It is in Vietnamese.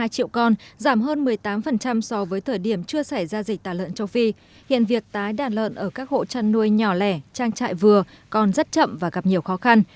giá lợn hơi tăng một mươi tám so với thời điểm chưa xảy ra dịch tàn lợn châu phi hiện việc tái đàn lợn ở các hộ chăn nuôi nhỏ lẻ trang trại vừa còn rất chậm và gặp nhiều khó khăn